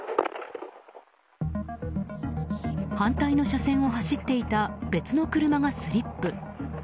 反対の車線を走っていた別の車がスリップ。